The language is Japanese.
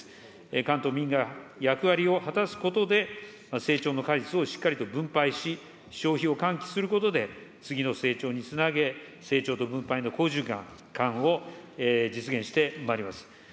官と民が役割を果たすことで、成長の果実をしっかりと分配し、消費を喚起することで、次の成長につなげ、成長と分配の好循環を実現してまいります。